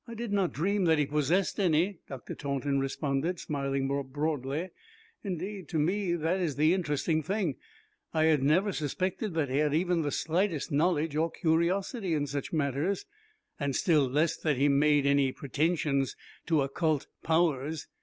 "I did not dream that he possessed any," Dr. Taunton responded, smiling more broadly. "Indeed, to me that is the interesting thing. I had never suspected that he had even the slightest knowledge or curiosity in such matters, and still less that he made any pretensions to occult powers.